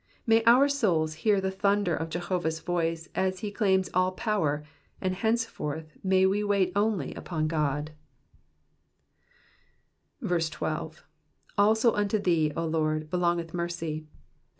May our souls hear the thunder of Jehovah^s voice as he claims all power, and henceforth may we wait only upon God I 12. ''Also unto thee^ O Lordy helongeth merc^.''